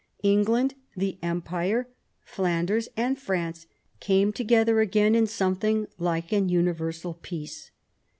England, the Empire, Flanders, and France came together again in something like an universal peace.